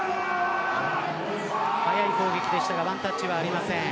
速い攻撃でしたがワンタッチはありません。